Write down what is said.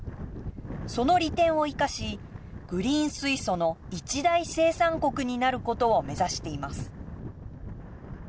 その利点を生かしグリーン水素の一大生産国になることを目指しています。